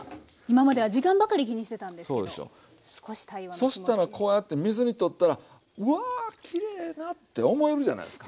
そしたらこうやって水にとったらうわきれいなって思えるじゃないですか。